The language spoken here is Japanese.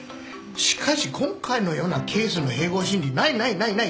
しかし今回のようなケースの併合審理ないないないない。